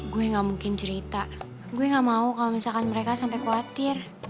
gue gak mungkin cerita gue gak mau kalau misalkan mereka sampai khawatir